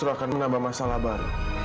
untuk menjaga masyarakat